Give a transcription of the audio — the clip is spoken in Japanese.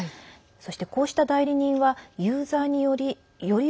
そして、こうした代理人はユーザーによりより